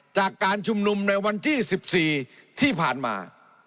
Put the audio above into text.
จากการชุมนุมในวันที่๑๔ที่ผ่านมา